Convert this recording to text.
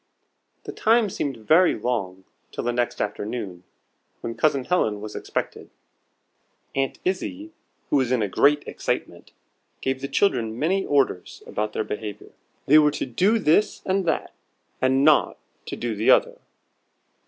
The time seemed very long till the next afternoon, when Cousin Helen was expected. Aunt Izzie, who was in a great excitement, gave the children many orders about their behavior. They were to do this and that, and not to do the other.